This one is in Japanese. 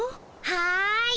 はい。